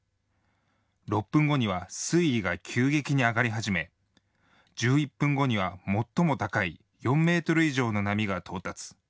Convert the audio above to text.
６分後には水位が急激に上がり始め、１１分後には最も高い４メートル以上の波が到達。